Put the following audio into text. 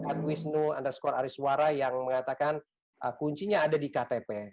adwisnu underscore ariswara yang mengatakan kuncinya ada di ktp